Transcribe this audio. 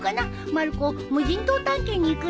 まる子無人島体験に行くんだ。